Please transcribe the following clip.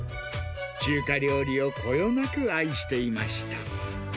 中華料理をこよなく愛していました。